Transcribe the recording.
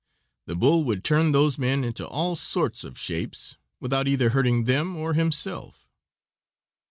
The bull would turn those men into all sorts of shapes without either hurting them or himself.